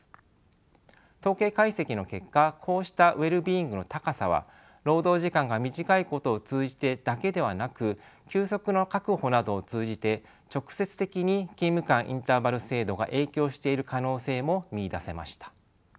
統計解析の結果こうしたウェルビーイングの高さは労働時間が短いことを通じてだけではなく休息の確保などを通じて直接的に勤務間インターバル制度が影響している可能性も見いだせました。